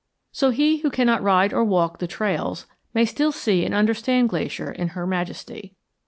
So he who cannot ride or walk the trails may still see and understand Glacier in her majesty.